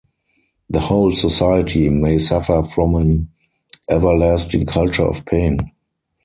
The whole society may suffer from an everlasting culture of pain.